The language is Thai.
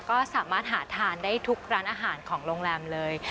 ก็สามารถหาทานได้ทุกร้านอาหารของโรงแรมเลย